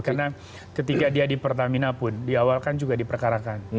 karena ketika dia di pertamina pun diawalkan juga diperkarakan